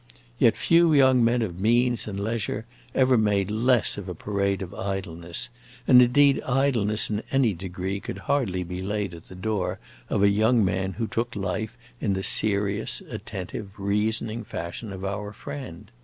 Yet few young men of means and leisure ever made less of a parade of idleness, and indeed idleness in any degree could hardly be laid at the door of a young man who took life in the serious, attentive, reasoning fashion of our friend.